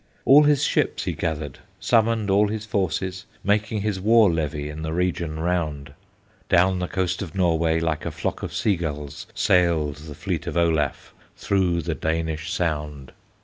All his ships he gathered, Summoned all his forces, Making his war levy In the region round; Down the coast of Norway, Like a flock of sea gulls, Sailed the fleet of Olaf Through the Danish Sound.